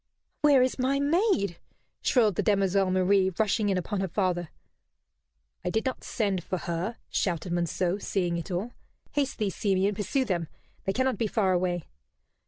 "Where is my maid?" shrilled the demoiselle Marie, rushing in upon her father. "I did not send for her," shouted Monceux, seeing it all. "Haste thee, Simeon, pursue them. They cannot be far away."